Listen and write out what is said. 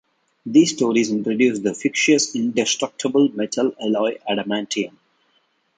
These stories introduced the fictitious indestructible metal alloy adamantium.